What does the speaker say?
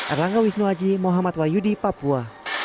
erlangga wisnuaji muhammad wahyudi papua